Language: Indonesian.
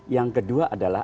yang kedua adalah